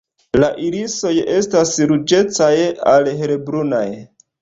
La irisoj estas ruĝecaj al helbrunaj.